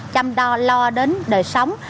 chăm lo đến đời sống